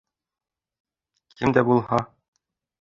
Кем дә булһа